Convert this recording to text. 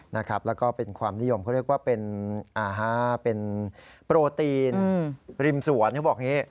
แล้วก็เป็นความนิยมเขาเรียกว่าเป็นโปรตีนริมสวนเขาบอกอย่างนี้